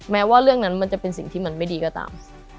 แม้ว่าเรื่องนั้นมันจะเป็นสิ่งที่มันไม่ดีก็ตาม